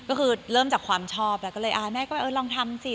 ก็คือเริ่มจากความชอบแล้วก็เลยแม่ก็เออลองทำสิ